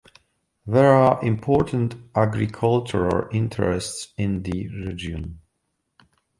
There are important agricultural interests in the region.